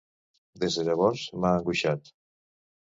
Des de llavors m'ha angoixat.